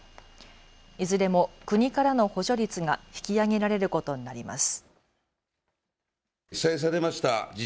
いずれも国からの補助率が引き上げられることになります。